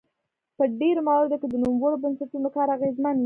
په ډیری مواردو کې د نوموړو بنسټونو کار اغیزمن وي.